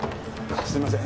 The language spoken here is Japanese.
すいません。